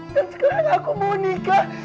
dan sekarang aku mau nikah